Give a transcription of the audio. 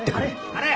張れ？